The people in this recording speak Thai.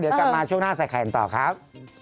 เดี๋ยวกลับมาช่วงหน้าใส่ไข่กันต่อครับ